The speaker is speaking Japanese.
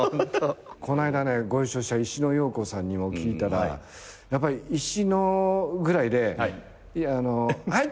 この間ねご一緒したいしのようこさんにも聞いたらやっぱり「いしの」ぐらいで「はい！」